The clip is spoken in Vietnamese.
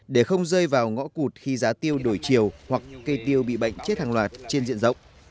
để không rơi vào ngõ cụt khi giá tiêu đổi chiều hoặc cây tiêu bị bệnh chết hàng loạt trên diện rộng